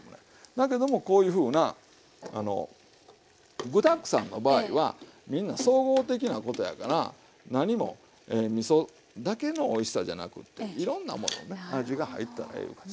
だけどもこういうふうな具だくさんの場合はみんな総合的なことやからなにもみそだけのおいしさじゃなくていろんなものをね味が入ったらええいう感じ。